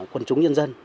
quần chúng nhân dân